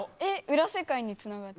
裏世界につながる。